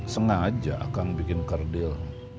sengaja akang bikin kerdil